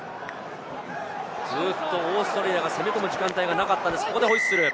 ずっとオーストラリアが攻め込む時間帯がなかったんですが、ここでホイッスル。